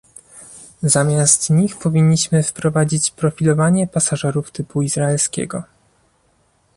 Zamiast nich powinniśmy wprowadzić profilowanie pasażerów typu izraelskiego